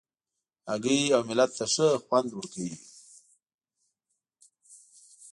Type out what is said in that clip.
هګۍ اوملت ته ښه خوند ورکوي.